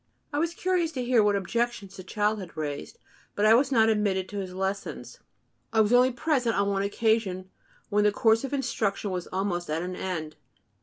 I was curious to hear what objections the child had raised; but I was not admitted to his lessons. I was only present on one occasion, when the course of instruction was almost at an end.